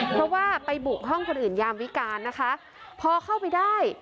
เพราะว่าไปบุกห้องคนอื่นยามวิการนะคะพอเข้าไปได้